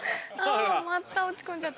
また落ち込んじゃった。